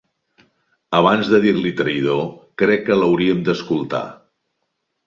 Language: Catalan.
Abans de dir-li traïdor, crec que l'hauríem d'escoltar.